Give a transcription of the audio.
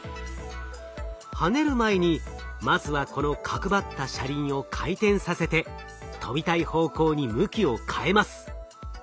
跳ねる前にまずはこの角張った車輪を回転させて跳びたい方向に向きを変えます。